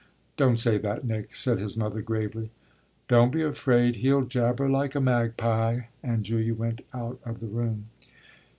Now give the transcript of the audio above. '" "Don't say that, Nick," said his mother gravely. "Don't be afraid he'll jabber like a magpie!" And Julia went out of the room.